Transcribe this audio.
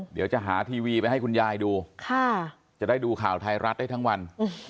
เดี๋ยวจะหาทีวีไปให้คุณยายดูจะได้ดูข่าวไทยรัฐได้ทั้งวัน